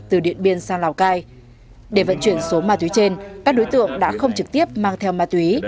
từ điện biên sang lào cai để vận chuyển số ma túy trên các đối tượng đã không trực tiếp mang theo ma túy